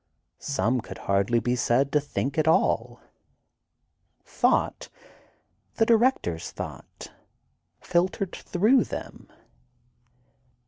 Some could hardly be said to think at all. Thought, the director's thought, filtered through them.